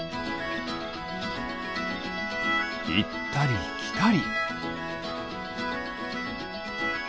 いったりきたり。